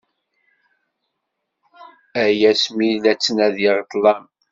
Ay ass mi la ttnadiɣ i ṭṭlam.